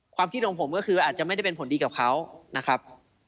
ความคิดของผมก็คืออาจจะไม่ได้เป็นผลดีกับเขานะครับ